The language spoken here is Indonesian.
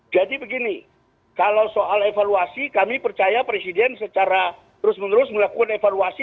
jadi begini kalau soal evaluasi kami percaya presiden secara terus menerus melakukan evaluasi